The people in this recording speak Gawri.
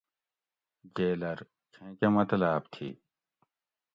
جیلر: چھیں کہۤ مطلاۤب تھی؟